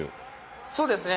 そうですね。